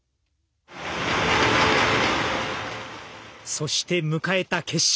そして迎えた決勝。